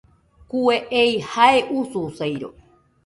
Kue ei jae ususairo